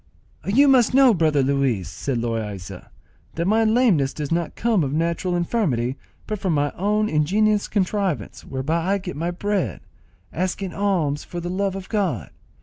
"You must know, brother Luis," said Loaysa, "that my lameness does not come of natural infirmity, but from my own ingenious contrivance, whereby I get my bread, asking alms for the love of God.